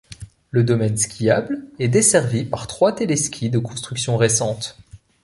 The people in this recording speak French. Le domaine skiable est desservi par trois téléskis de construction récente.